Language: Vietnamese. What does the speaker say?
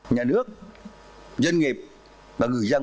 nhà nước doanh nghiệp và người dân